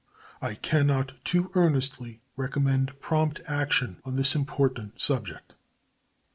I can not too earnestly recommend prompt action on this important subject.